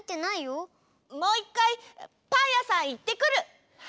もういっかいパンやさんいってくる！